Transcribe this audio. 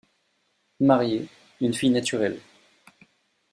Marié, une fille naturelle.